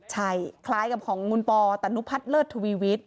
ใช่คล้ายกับของคุณปอตนุพัฒน์เลิศทวีวิทย